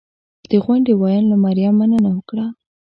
د غونډې ویاند له مریم مننه وکړه